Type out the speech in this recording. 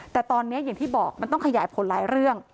แต่ตอนนี้อย่างที่บอกมันต้องขยายผลหลายเรื่อง